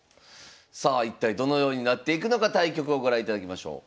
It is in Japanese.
さあ一体どのようになっていくのか対局をご覧いただきましょう。